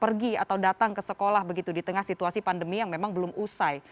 pergi atau datang ke sekolah begitu di tengah situasi pandemi yang memang belum usai